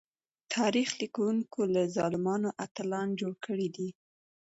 تاريخ ليکونکو له ظالمانو اتلان جوړ کړي دي.